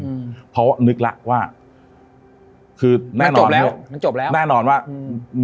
อืมเพราะว่านึกแล้วว่าคือน่าจะจบแล้วมันจบแล้วแน่นอนว่าอืม